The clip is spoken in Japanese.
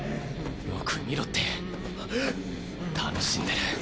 よく見ろってあっ楽しんでる。